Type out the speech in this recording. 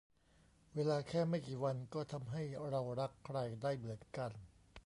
เวลาแค่ไม่กี่วัน ก็ทำให้เรารักใคร ได้เหมือนกัน